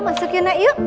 masuk ya nak yuk